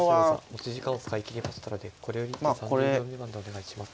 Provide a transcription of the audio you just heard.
持ち時間を使い切りましたのでこれより一手３０秒未満でお願いします。